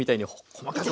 細かく。